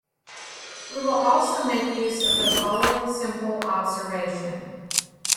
We will also make use of the following simple observation.